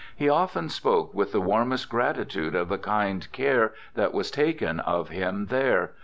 He often spoke with the warmest gratitude of the kind care that was taken of him there.